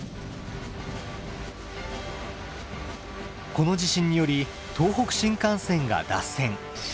この地震により東北新幹線が脱線。